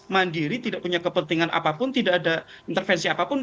mandiri tidak punya kepentingan apapun tidak ada intervensi apapun